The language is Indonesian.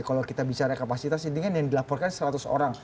kalau kita bicara kapasitas intinya yang dilaporkan seratus orang